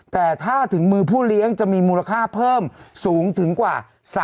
แต่ถ้าถึงมือผู้เลี้ยงจะมีมูลค่าเพิ่มสูงถึงกว่า